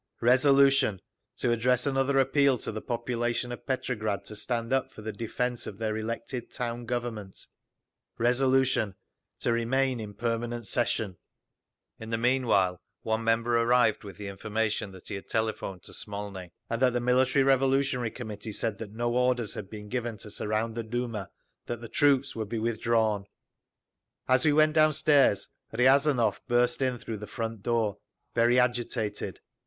Resolution, to address another appeal to the population of Petrograd to stand up for the defence of their elected town government. Resolution, to remain in permanent session…. In the meanwhile one member arrived with the information that he had telephoned to Smolny, and that the Military Revolutionary Committee said that no orders had been given to surround the Duma, that the troops would be withdrawn…. As we went downstairs Riazanov burst in through the front door, very agitated.